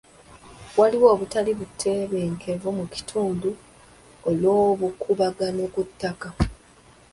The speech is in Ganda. Waliwo obutali butebenkevu mu kitundo olw'obukuubagano ku ttaka.